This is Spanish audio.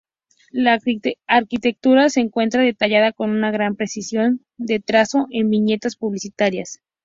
La arquitectura se encuentra detallada con una gran precisión de trazo en viñetas publicitarias.